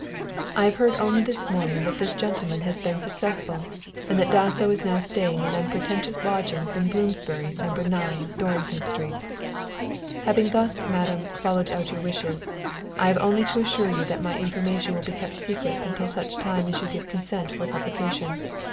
_ "_I have heard only this morning that this gentleman has been successful, and that Dasso is now staying in unpretentious lodgings in Bloomsbury, No. 9, Dorrington Street._ "_Having thus, madam, followed out your wishes, I have only to assure you that my information will be kept secret until such time as you give consent for publication.